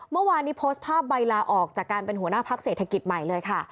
เมื่อวานนี้โพสต์ภาพใบลาออกจากการเป็นหัวหน้าพักเศรษฐกิจใหม่เลยค่ะ